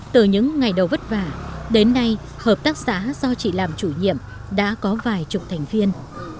từ những ngày đầu vất vả đến nay hợp tác xã do chị làm chủ nhiệm đã có vài chục thành viên